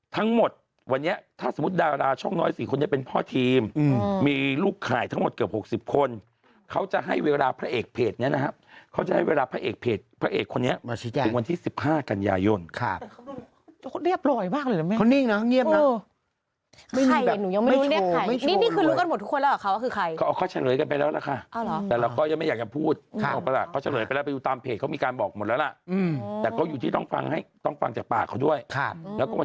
ทั้งหมดวันเนี้ยถ้าสมมุติดาราช่องน้อยสี่คนนี้เป็นพ่อทีมอืมมีลูกขายทั้งหมดเกือบหกสิบคนเขาจะให้เวลาพระเอกเพจเนี้ยนะครับเขาจะให้เวลาพระเอกเพจพระเอกคนนี้มาชิดอย่างวันที่สิบห้ากันยายนค่ะเขาเรียบร้อยมากเลยเหรอแม่เขานิ่งน่ะเขาเงียบน่ะไม่มีแบบไม่โชว์ไม่โชว์นี่นี่คือร